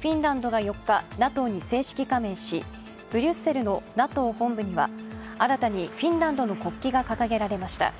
フィンランドが４日、ＮＡＴＯに正式加盟し、ブリュッセルのＮＡＴＯ本部には新たにフィンランドの国旗が掲げられました。